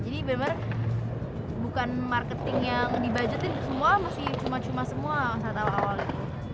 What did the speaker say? jadi bener bener bukan marketing yang dibudgetin semua masih cuma cuma semua saat awal awalnya